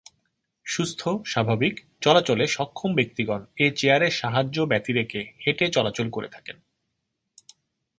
সুস্থ, স্বাভাবিক, চলাচলে সক্ষম ব্যক্তিগণ এ চেয়ারের সাহায্য ব্যতিরেকে হেঁটে চলাচল করে থাকেন।